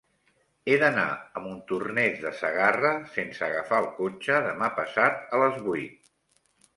He d'anar a Montornès de Segarra sense agafar el cotxe demà passat a les vuit.